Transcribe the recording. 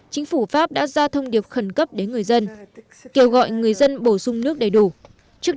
chính phủ pháp đã ra thông điệp khẩn cấp đến người dân kêu gọi người dân bổ sung nước đầy đủ trước